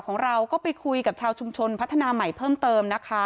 ของเราก็ไปคุยกับชาวชุมชนพัฒนาใหม่เพิ่มเติมนะคะ